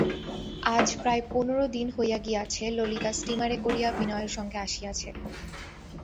আজ প্রায় পনেরো দিন হইয়া গিয়াছে ললিতা স্টীমারে করিয়া বিনয়ের সঙ্গে আসিয়াছে।